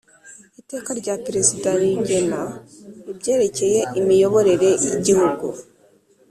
Iteka rya Perezida rigena ibyerekeye imiyoborere y’igihugu